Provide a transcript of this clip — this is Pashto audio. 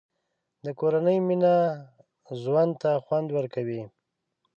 د کورنۍ مینه ژوند ته خوند ورکوي.